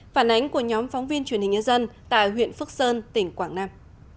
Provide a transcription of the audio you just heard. phản ánh của nhóm phóng viên truyền hình nhân dân tại huyện phước sơn tỉnh quảng nam